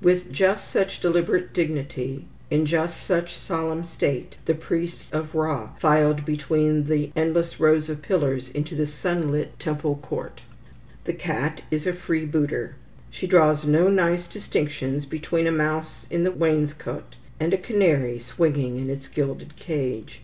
With just such deliberate dignity, in just such solemn state, the priests of Ra filed between the endless rows of pillars into the sunlit temple court. The cat is a freebooter. She draws no nice distinctions between a mouse in the wainscot, and a canary swinging in its gilded cage.